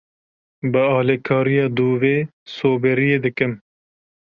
Bi alikariya dûvê soberiyê dikim.